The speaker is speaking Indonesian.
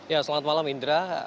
ya selamat malam indra